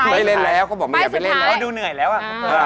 พระนายค่าเก่งสุขอย่างเที่ยวฟ้า